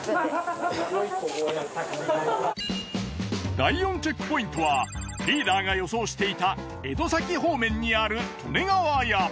第４チェックポイントはリーダーが予想していた江戸崎方面にある利根川屋。